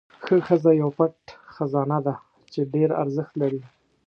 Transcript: ښه ښځه یو پټ خزانه ده چې ډېره ارزښت لري.